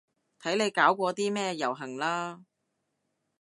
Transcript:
睇你搞啲咩遊行啦